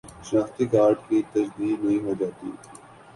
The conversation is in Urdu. شناختی کارڈ کی تجدید نہیں ہوجاتی